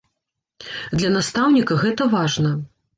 Для настаўніка гэта важна.